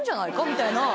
みたいな。